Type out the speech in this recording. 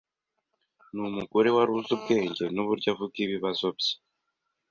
ni umugore wari uzi ubwenge n’uburyo avuga ibibazo bye